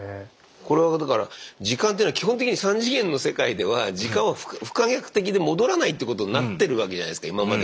これはだから時間というのは基本的に３次元の世界では時間は不可逆的で戻らないということになってるわけじゃないですか今まで。